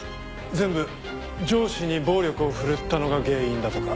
全部上司に暴力を振るったのが原因だとか。